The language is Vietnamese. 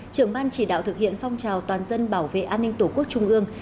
trưởng ban chỉ đạo thực hiện phong trào toàn dân bảo vệ an ninh tổ quốc trung ương